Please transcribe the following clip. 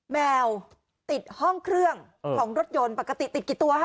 แมวติดห้องเครื่องของรถยนต์ปกติติดกี่ตัวค่ะ